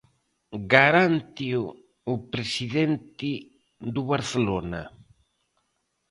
Garánteo o presidente do Barcelona.